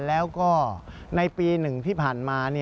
แล้วก็ในปี๑ที่ผ่านมา